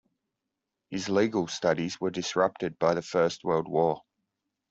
His legal studies were disrupted by the First World War.